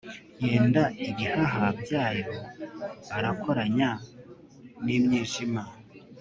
yenda ibihaha byayo arakoranya n'imyijima